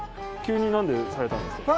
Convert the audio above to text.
急に何でされたんです？